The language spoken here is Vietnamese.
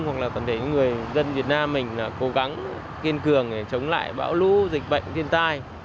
hoặc là toàn thể người dân việt nam mình cố gắng kiên cường để chống lại bão lũ dịch bệnh tiên tai